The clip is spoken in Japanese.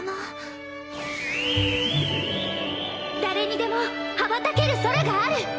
誰にでも羽ばたける空がある！